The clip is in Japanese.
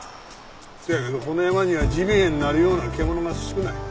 せやけどこの山にはジビエになるような獣は少ない。